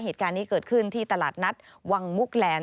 เหตุการณ์นี้เกิดขึ้นที่ตลาดนัดวังมุกแลนด